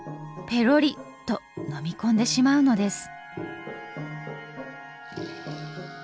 ぺろりっと飲み込んでしまうのです。